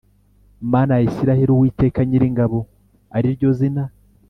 Mana ya Isirayeli Uwiteka Nyiringabo ari ryo zina